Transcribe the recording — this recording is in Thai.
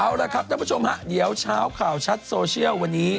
เอาละครับท่านผู้ชมฮะเดี๋ยวเช้าข่าวชัดโซเชียลวันนี้